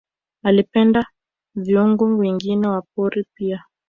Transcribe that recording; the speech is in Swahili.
Alipenda viumbe wengine wa pori pia